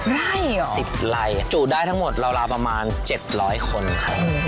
ไร่เหรอ๑๐ไร่จูดได้ทั้งหมดราวประมาณ๗๐๐คนครับ